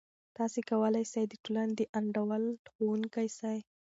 تاسې کولای سئ د ټولنې د انډول ښوونکی سئ.